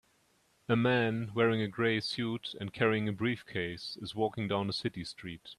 A man wearing a gray suit and carrying a briefcase is walking down a city street